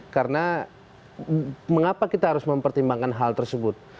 karena mengapa kita harus mempertimbangkan hal tersebut